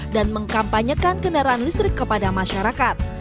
dan mengkampanyekan kendaraan listrik kepada masyarakat